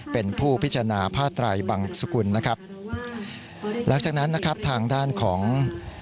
เป็นผู้พิจารณาผ้าไตรบังสุกุลนะครับหลังจากนั้นนะครับทางด้านของ